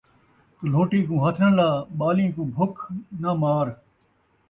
کلھوٹی کوں ہتھ ناں لا ، ٻالیں کوں بکھ ناں مار